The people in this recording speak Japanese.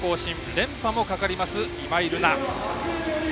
連覇もかかります、今井月。